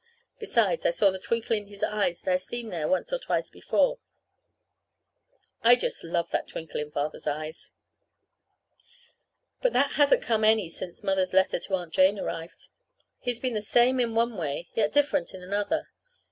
Besides, I saw the twinkle in his eyes that I've seen there once or twice before. I just love that twinkle in Father's eyes! But that hasn't come any since Mother's letter to Aunt Jane arrived. He's been the same in one way, yet different in another.